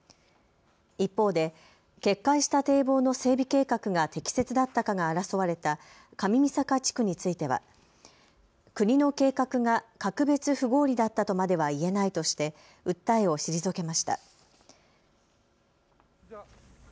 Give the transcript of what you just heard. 一方で、決壊した堤防の整備計画が適切だったかが争われた上三坂地区については国の計画が格別不合理だったとまではいえないとして訴えを退けました。